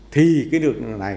thì cái được này